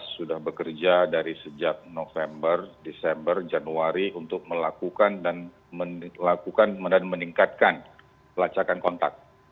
sudah bekerja dari sejak november desember januari untuk melakukan dan melakukan dan meningkatkan pelacakan kontak